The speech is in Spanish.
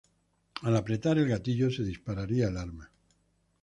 Al apretar el gatillo se dispararía el arma.